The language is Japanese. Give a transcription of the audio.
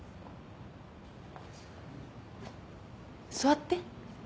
座って。